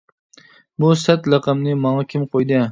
بۇ سەت لەقەمنى، ماڭا كىم قويدى!